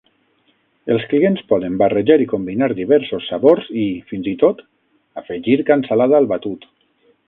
Els clients poden barrejar i combinar diversos sabors i, fins i tot, afegir cansalada al batut.